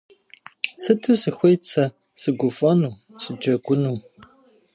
Сыту сыхуейт сэ сыгуфӀэну, сыджэгуну